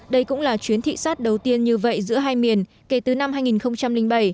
đây cũng là chuyến thị sát đầu tiên như vậy giữa hai miền kể từ năm hai nghìn bảy